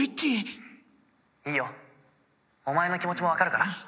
「いいよ。お前の気持ちもわかるから」